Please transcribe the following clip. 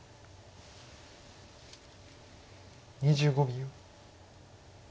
２５秒。